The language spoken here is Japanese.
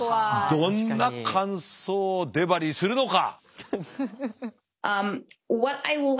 どんな感想をデバリーするのか。